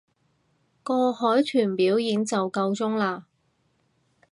個海豚表演就夠鐘喇